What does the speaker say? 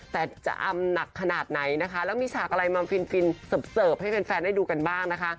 แต่จะอำหนักขนาดไหนนะคะแล้วมีฉากอะไรมาฟินฟินเสิร์ฟให้แฟนได้ดูกันบ้างนะคะ